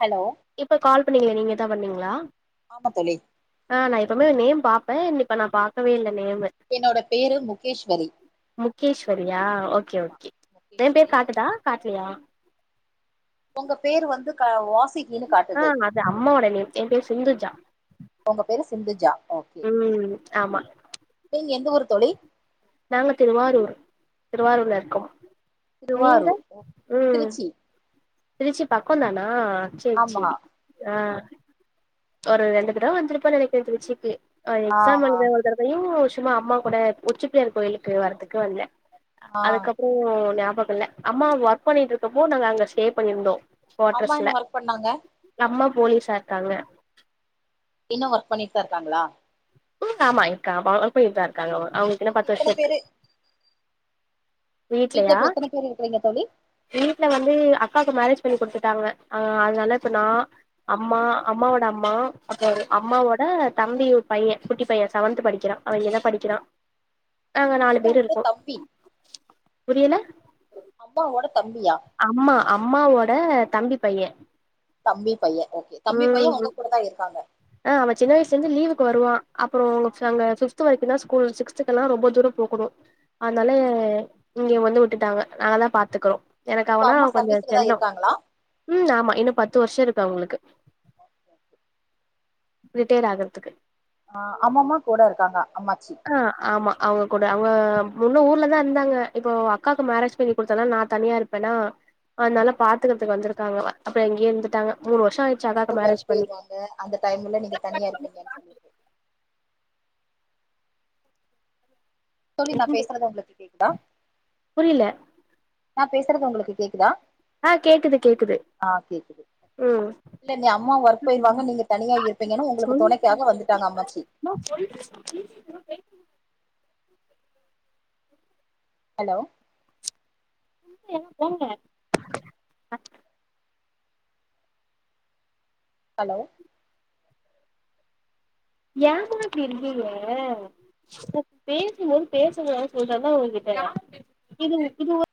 hello இப்ப call பண்ணீங்களே நீங்கதா பண்ணீங்களா ஆமா தோழி ஆஹ் நா எப்பமே நேம் பாப் பே இப்ப நா பாக்கவே இல்ல நேமு என்னோட பேரு முகேஸ்வரி சரியா ஓகே ஓ முகேஸ்வரி [unintelligible] உங்க பேர் வந்து [unintelligible] காட்டுது ஆஹ் அது அம்மா ஓட நேம் எம் பேரு சிந்துஜா உங்க பேரு சிந்துஜா ஓகே உம் ஆமா நீங்க எந்த ஊரு தோழி நாங்க திருவாரூர் திருவாரூர்ல இருக்கோம் திருவாரூர் ஓ திருச்சி திருச்சி பக்கந் தான ஆஹ் சரி ஆமா சரி ஆஹ் ஒரு ரெண்டு தடவ வந்துருப்பேனு நெனைக்குறே திருச்சிக்கு ஆஹ் ஆ எக்ஸாம் எழுத ஒரு தடவயு ஸ் சும்மா அம்மா கூட உச்சிபிள்ளையார் கோயிலுகுக் வர்ரதுக்கு வந்தே ஆ அதுக்கப்புறம் ஞா பக இல்ல அம்மா ஒர்க் பண்ணிட்டு இருக்கப்போ நாங்க அங்க ஸ்டே இந்தோ அம்மா குவாட்ரஸ்ல என்ன ஒர்க் பண்ணாங்க நம்ம போலீஸா இருக்காங்க இன்னு ஒர்க் பண்ணிட்டுதா இருக்காங்களா உ ஆமா இருக்க ஆமா ஒர்க் பண்ணிட்டுத்தா இருக்க ங்க அவங்களுக்கு இன்னு பத்து வருஷ இருக்கு நீங்க வீட்லயா வீட்டுல எத்தன பேரு இருக்கிறீங்க தோழி வீட்ல வந்து அக்காவுக்கு மேரேஜ் பண்ணி குடுத்துட்டாங்க ஆன் அதனால இப்ப நா அம்மா அம்மாவோட அம்மா அப்பற அம்மாவோட தம்பி பைய குட்டி பைய செவன்த் படிக்கிறா அவ இங்கதா படிக்கிறா நாங்க நாலு பேர் அம்மாவோட இருக்கோ தம்பி புரியல அம்மாவோட தம்பியா அம்மா அம்மாவோட தம்பி பையன் தம்பி பைய ஓகே தம்பி பைய உங்க உம் கூட தா இருக்காங்க ஆஹ் அவ சின்ன வயசுல இருந்து லீவுக்கு வருவா அப்பற அங்க ஃபிஃப்த் வரைக்குந்தான் ஸ்கூல் சிக்ஸ்த்துக்கு எல்லா ரொம்ப தூரம் போகணு அதனால ஓகே, இங்க வந்து விட்டுட்டாங்க நாங்க தா பாத்துக்கறோ எனக்கு இப்ப அவனா அம்மா கொஞ்ச சர்வீஸ்ல தா செல்ல இருக்காங்களா ம் ஆமா இன்னு பத்து வருஷ இருக்கு அவங்களுக்கு [unintelligible] ரிட்டையர் ஆகுறதுக்கு ஆ அம்மம்மா கூட இருக்காங்க அம்மாச்சி ஆ ஆமா அவங்க கூட அவங்க முன்ன ஊர்லதா இருந்தாங்க இப்போ அக்காக்கு மேரேஜ் பண்ணி குடுத்ததுனால நா தனியா இருப்பேனா அதனால பாத்துக்கறதுக்கு வந்துருக்காங்க வ அப்ப இங்கயே இருந்துட்டாங்க மூணு வருஷோ ஆ அம்மா வந்து ஒர்க் போயிருவாங்க அந்த டைம்ல நீங்க தனியா இருப்பீங்கன்னு சொல்லிட்டு தோழி நா பேசுறது உங்களுக்கு கேக்குதா புரியல நா பேசுறது உங்களுக்கு கேக்குதா ஆ கேக்குது கேக்குது ஆ கேக்குது ம் ம் சொல் மா சொல்றேன்மா பேசுங்க பேசாம ஹலோ [unintelligible] போங்க [unintelligible] ஹலோ ஏம்மா இப்டி இருக்கீங்க பேசும்போது பேச வேணாம்னு சொல்றன்ல உங்ககிட்ட இது இது ஒ